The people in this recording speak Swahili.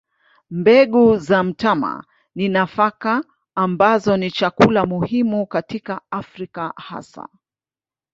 Mbegu za mtama ni nafaka ambazo ni chakula muhimu katika Afrika hasa.